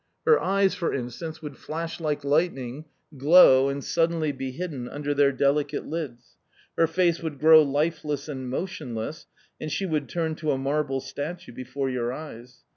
Her eyes, for instance, would flash like lightning, glow and suddenly be hidden under their delicate lids ; her face would grow life less and motionless, and she would turn to a marble statue before your eyes.